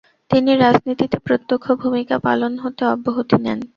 তিনি রাজনীতিতে প্রত্যক্ষ ভূমিকা পালন হতে অব্যহতি নেন।